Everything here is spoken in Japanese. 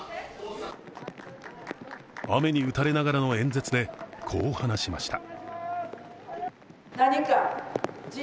雨に打たれながらの演説で、こう話しました。